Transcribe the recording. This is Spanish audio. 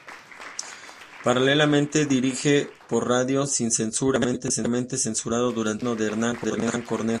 Paralelamente dirige por radio "Sin Censura", irónicamente censurado durante el gobierno de Hernán Cornejo.